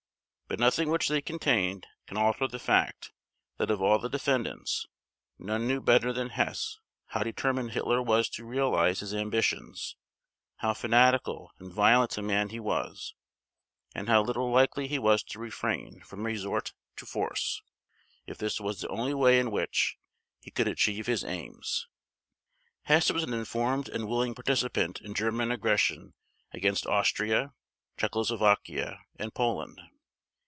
But nothing which they contained can alter the fact that of all the defendants none knew better than Hess how determined Hitler was to realize his ambitions, how fanatical and violent a man he was, and how little likely he was to refrain from resort to force, if this was the only way in which he could achieve his aims. Hess was an informed and willing participant in German aggression against Austria, Czechoslovakia, and Poland.